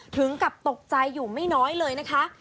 ถึงกับตกใจอยู่ไม่น้อยเลยนะคะ